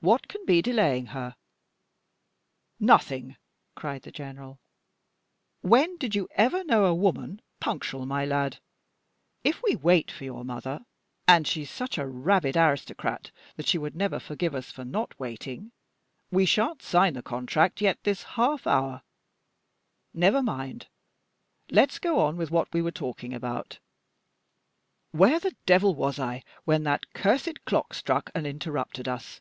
What can be delaying her?" "Nothing," cried the general. "When did you ever know a woman punctual, my lad? If we wait for your mother and she's such a rabid aristocrat that she would never forgive us for not waiting we shan't sign the contract yet this half hour. Never mind! let's go on with what we were talking about. Where the devil was I when that cursed clock struck and interrupted us?